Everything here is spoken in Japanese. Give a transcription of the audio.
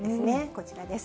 こちらです。